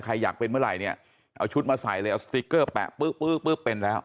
ใครอยากเป็นเมื่อไหร่เนี่ยเอาชุดมาใส่เลยเอาสติ๊กเกอร์แปะปึ๊บเป็นแล้ว